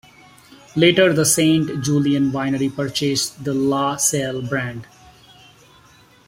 Later, the Saint Julian Winery purchased the LaSalle brand.